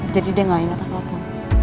jadi dia gak inget apa apa